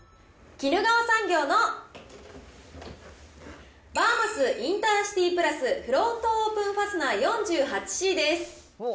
衣川産業のバーマスインターシティプラスフロントオープンファスナー４８Ｃです。